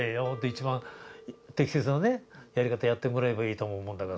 一番適切なやり方やってもらえばいいとも思うんだが。